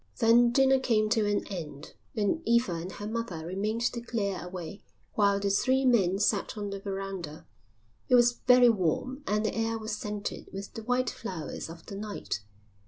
Then dinner came to an end, and Eva and her mother remained to clear away while the three men sat on the verandah. It was very warm and the air was scented with the white flowers of the night.